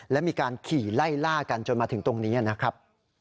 และมีการขี่ไล่ล่ากันจนมาถึงตรงนี้นะครับ